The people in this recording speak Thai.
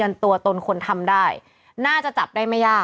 มันน่าจะจับได้มั้ยย่า